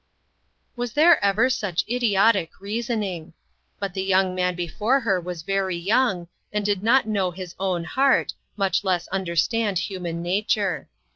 Was there ever such idiotic reasoning ! 264 INTERRUPTED. But the young man before her was very young, and did not know his own heart, much less understand human nature.